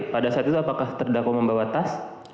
pada saat itu apakah terdakwa membawa tas